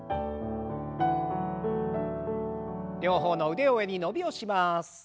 両方の腕を上に伸びをします。